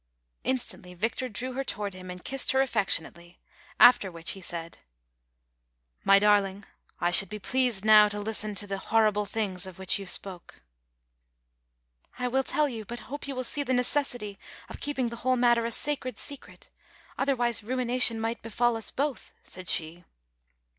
" Instantly Victor drew her toward him and kissed her affectionately, after which he said :" My darling, I should be pleased now to listen to 'the liorrible things ' of which you spoke." "■I will tell you, but hope you will see the necessity of keeping the whole matter a sacred secret, otherwise ruina tion might befall us both," said she.